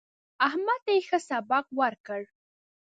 احمد ته يې ښه سبق ورکړ.